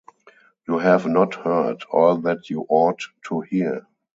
You have not heard all that you ought to hear.